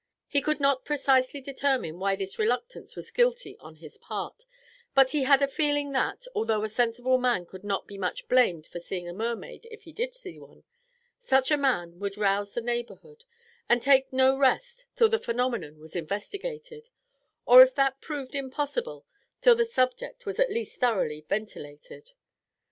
He could not precisely determine why this reluctance was guilty on his part, but he had a feeling that, although a sensible man could not be much blamed for seeing a mermaid if he did see one, such a man would rouse the neighbourhood, and take no rest till the phenomenon was investigated; or, if that proved impossible, till the subject was at least thoroughly ventilated.